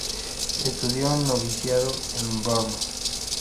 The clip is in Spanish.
Estudió el noviciado en Brno.